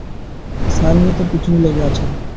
ছায়ার মতো তোর পিছে লেগে আছে।